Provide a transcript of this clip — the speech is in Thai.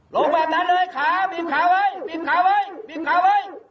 แบบนั้นเลยขาบีบขาไว้บีบขาไว้บีบขาไว้